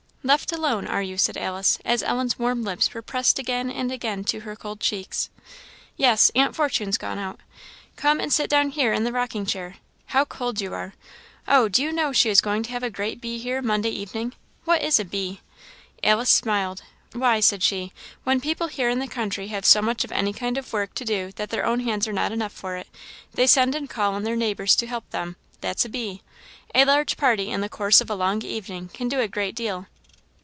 "Left alone, are you?" said Alice, as Ellen's warm lips were pressed again and again to her cold cheeks. "Yes, aunt Fortune's gone out. Come and sit down here in the rocking chair. How cold you are! Oh, do you know she is going to have a great bee here Monday evening? What is a bee?" Alice smiled. "Why," said she, "when people here in the country have so much of any kind of work to do that their own hands are not enough for it, they send and call in their neighbours to help them that's a bee. A large party in the course of a long evening can do a great deal."